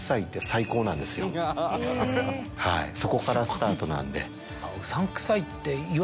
はいそこからスタートなんで。